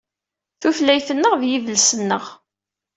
Tutlayt-nneɣ d yidles-nneɣ.